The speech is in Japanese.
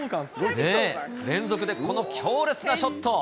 ねえ、連続でこの強烈なショット。